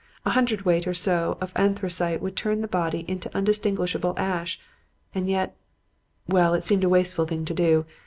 A hundredweight or so of anthracite would turn the body into undistinguishable ash; and yet well, it seemed a wasteful thing to do.